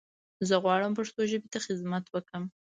زه غواړم پښتو ژبې ته خدمت وکړم.